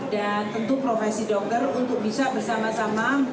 dan tentu profesi dokter untuk bisa bersama sama